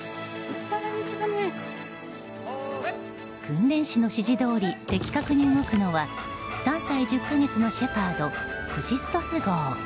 訓練士の指示どおり的確に動くのは３歳１０か月のシェパードクシストス号。